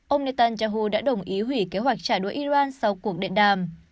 ông netanyahu đã đồng ý hủy kế hoạch trả đũa iran sau cuộc điện đàm